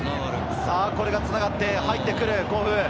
これがつながって入ってくる甲府。